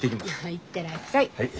行ってらっしゃい。